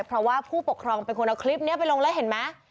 เพราะว่าผู้ปกครองเป็นคนเอาคลิปนี้ไปลงแล้วเห็นไหม